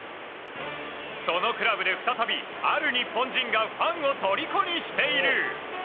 そのクラブで再び、ある日本人がファンをとりこにしている。